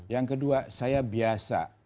yang kedua saya biasa